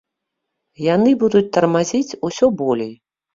Яна будзе тармазіць усё болей.